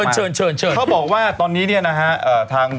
จะแถลงตอน๑ทุ่ม